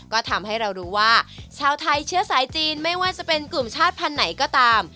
ก็ทำให้เรารู้ว่าชาวไทยเชื้อสายจีนไม่ว่าจะเป็นกลุ่มชาติพันธุ์ไหนก็ตาม